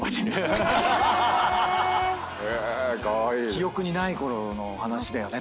記憶にないころのお話だよね。